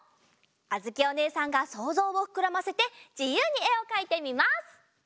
あづきおねえさんがそうぞうをふくらませてじゆうにえをかいてみます！